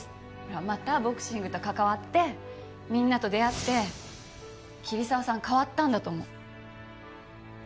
またボクシングと関わってみんなと出会って桐沢さん変わったんだと思う。